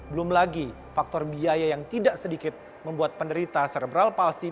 belum lagi faktor biaya yang tidak sedikit membuat penderita cerebral palsi